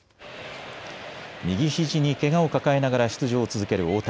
右ひじにけがを抱えながら出場を続ける大谷。